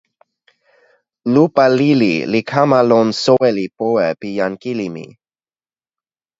lupa lili li kama lon soweli powe pi jan kili mi.